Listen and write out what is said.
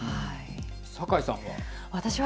酒井さんは。